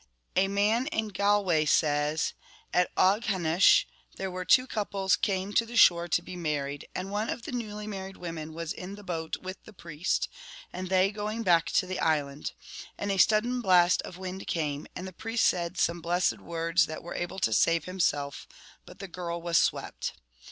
A man in Galway says, ' At Aughanish there were two couples came to the shore to be mar ried, and one of the newly married women was in the boat with the priest, and they going back to the island ; and a sudden blast of wind came, and the priest said some blessed words that were able to save himself, but the girl was swept.